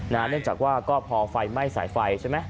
เนื่องจากว่าก็พอไฟไหม้สายไฟใช่ไหม